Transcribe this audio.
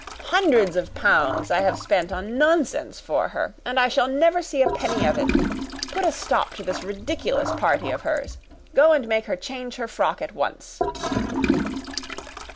"Hundreds of pounds have I spent on nonsense for her. And I shall never see a penny of it. Put a stop to this ridiculous party of hers. Go and make her change her frock at once."